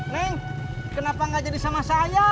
neng kenapa gak jadi sama saya